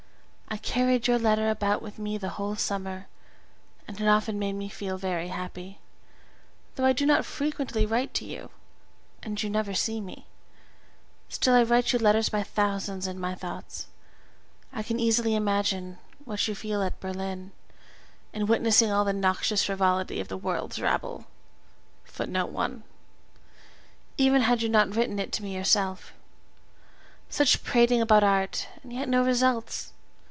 I carried your letter about with me the whole summer, and it often made me feel very happy; though I do not frequently write to you, and you never see me, still I write you letters by thousands in my thoughts. I can easily imagine what you feel at Berlin in witnessing all the noxious frivolity of the world's rabble, even had you not written it to me yourself. Such prating about art, and yet no results!!!